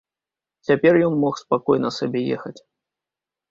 Цяпер ён мог спакойна сабе ехаць.